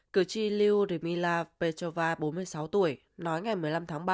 cử tri liudmila petrova bốn mươi sáu tuổi nói ngày một mươi năm tháng ba